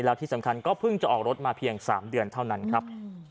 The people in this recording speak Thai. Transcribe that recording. แล้วที่สำคัญก็เพิ่งจะออกรถมาเพียง๓เดือนเท่านั้นครับ